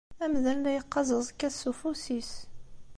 Amdan la yeqqaz aẓekka-s s ufus-is.